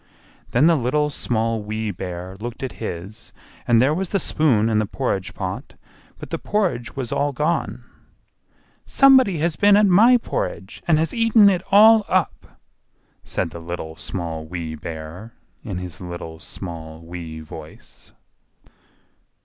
Then the Little, Small, Wee Bear looked at his, and there was the spoon in the porridge pot, but the porridge was all gone. "SOMEBODY HAS BEEN AT MY PORRIDGE, AND HAS EATEN IT ALL UP!" said the Little, Small, Wee Bear, in his little, small, wee voice.